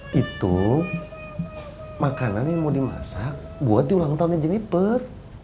hitung makanan yang mau dimasak buat ulang tahunnya jeniper